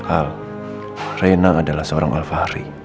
al rena adalah seorang alvari